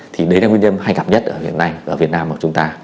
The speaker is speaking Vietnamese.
thì đấy là nguyên nhân hay cảm nhất ở việt nam ở việt nam của chúng ta